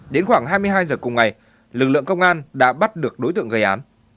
đến khoảng hai mươi hai giờ cùng ngày lực lượng công an đã bắt được đối tượng gây án